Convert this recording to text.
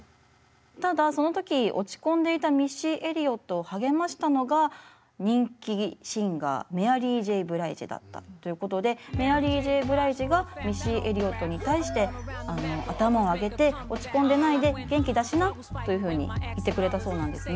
ただその時落ち込んでいたミッシー・エリオットを励ましたのが人気シンガーメアリー・Ｊ．ブライジだったということでメアリー・Ｊ．ブライジがミッシー・エリオットに対して頭を上げて落ち込んでないで元気出しなというふうに言ってくれたそうなんですね。